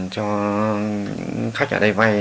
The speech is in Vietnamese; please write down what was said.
cho khách ở đây vai